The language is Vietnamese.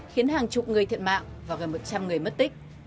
khiến hàng chục người thiệt mạng và gần một trăm linh người mất tích